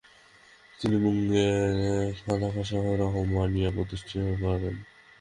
তিনি মুঙ্গেরে খানকাহ রহমানিয়া প্রতিষ্ঠা করেন।